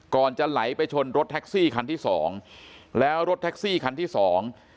จะไหลไปชนรถแท็กซี่คันที่สองแล้วรถแท็กซี่คันที่สอง